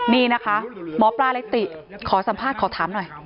นี่นะคะหมอปลาเลยติขอสัมภาษณ์ขอถามหน่อย